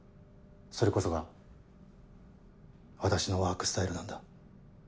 それこそが私のワークスタイルなんだ。